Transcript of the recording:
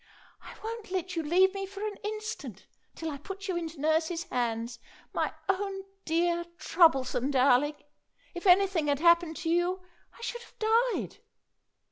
"I won't let you leave me for an instant till I put you into nurse's hands. My own dear, troublesome darling! If anything had happened to you I should have died!"